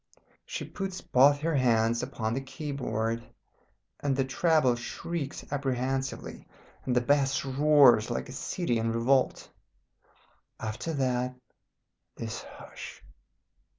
She puts both her hands upon the key board, and the treble shrieks apprehensively, and the bass roars like a city in revolt. After that this hush.